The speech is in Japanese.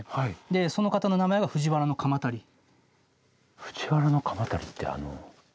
その方の名前は藤原鎌足ってあの。